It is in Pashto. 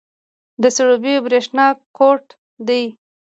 د سروبي بریښنا کوټ دی